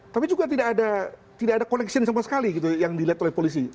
tapi juga tidak ada connection sama sekali gitu yang dilihat oleh polisi